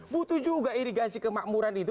butuh juga irigasi kemakmuran itu